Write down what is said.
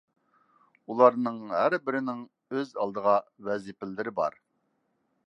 ئۇلارنىڭ ھەربىرىنىڭ ئۆز ئالدىغا ۋەزىپىلىرى بار.